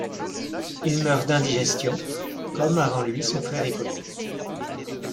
Il meurt d’indigestion, comme avant lui son frère Hippolyte.